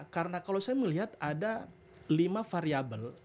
karena kalau saya melihat ada lima variabel